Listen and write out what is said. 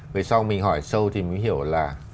vậy sau mình hỏi sâu thì mình hiểu là